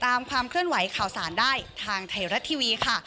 ความเคลื่อนไหวข่าวสารได้ทางไทยรัฐทีวีค่ะ